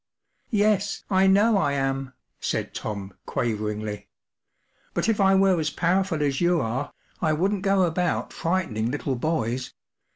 “ Yes, I know I am/ 5 said Tom, quaveringly. “ But if I were as powerful as you are, I wouldn't go about frightening little boys.